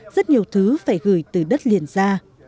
rất nhiều thứ phải gửi từ đất liền ra